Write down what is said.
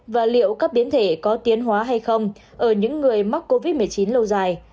và liệu các biến thể có tiến hóa hay không ở những người mắc covid một mươi chín lâu dài